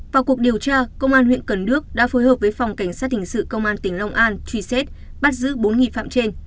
vào cuộc điều tra công an huyện cần đước đã phối hợp với phòng cảnh sát hình sự công an tỉnh long an truy xét bắt giữ bốn nghi phạm trên